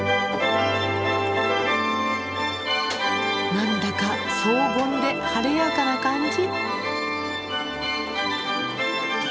なんだか荘厳で晴れやかな感じ。